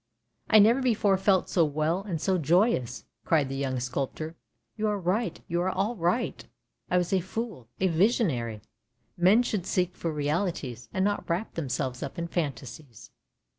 " I never before felt so well and so joyous," cried the young sculptor. " You are right, you are all right; I was a fool, a visionary. Men should seek for realities, and not wrap them selves up in phantasies."